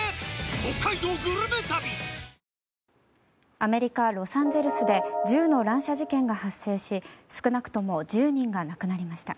アメリカ・ロサンゼルスで銃の乱射事件が発生し少なくとも１０人が亡くなりました。